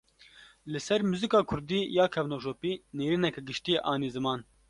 Li ser muzika Kurdî ya kevneşopî, nêrîneke giştî anî ziman